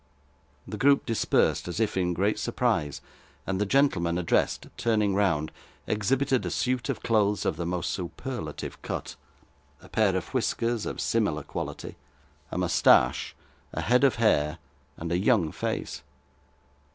The group dispersed, as if in great surprise, and the gentleman addressed, turning round, exhibited a suit of clothes of the most superlative cut, a pair of whiskers of similar quality, a moustache, a head of hair, and a young face.